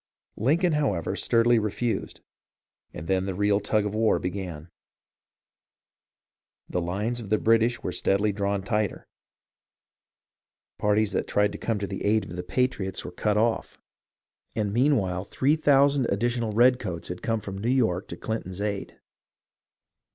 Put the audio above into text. Lincoln, however, sturdily refused, and then the real tug of war began. The lines of the British were steadily drawn tighter, parties that tried to come to the aid of the 326 HISTORY OF THE AMERICAN REVOLUTION patriots were cut off, and meanwhile three thousand addi tional redcoats had come from New York to Clinton's aid.